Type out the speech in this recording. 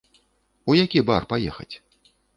У які бар паехаць?